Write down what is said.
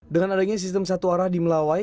dengan adanya sistem satu arah di melawai